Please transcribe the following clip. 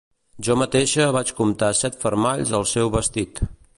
Jo mateixa vaig comptar set fermalls al seu vestit.